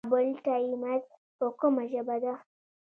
کابل ټایمز په کومه ژبه ده؟